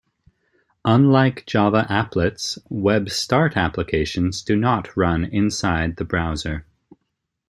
Unlike Java applets, Web Start applications do not run inside the browser.